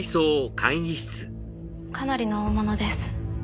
かなりの大物です。